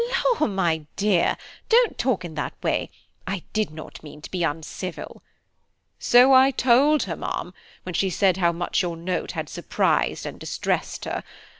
"Law! my dear, don't talk in that way. I did not mean to be uncivil." "So I told her, ma'am, when she said how much your note had surprised and distressed her.